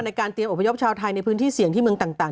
ในการเตรียมอพยพชาวไทยในพื้นที่เสี่ยงที่เมืองต่าง